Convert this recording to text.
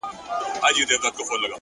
لوړ همت د وېرې دیوال نړوي,